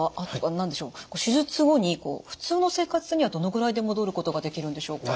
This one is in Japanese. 何でしょう手術後に普通の生活にはどのぐらいで戻ることができるんでしょうか？